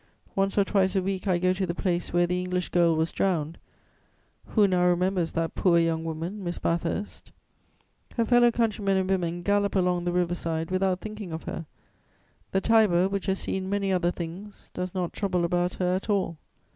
Once or twice a week, I go to the place where the English girl was drowned: who now remembers that poor young woman, Miss Bathurst? Her fellow countrymen and women gallop along the river side without thinking of her. The Tiber, which has seen many other things, does not trouble about her at all.